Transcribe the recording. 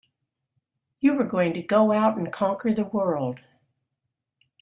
You were going to go out and conquer the world!